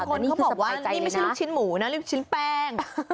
ก็คือสะพายใจเลยนะมีวิ่งว่าไม่ใช่ลูกชิ้นหมูน่ะเป็นลูกชิ้นแป้ง